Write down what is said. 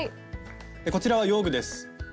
こちらは用具です。